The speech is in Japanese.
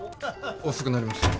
遅くなりました。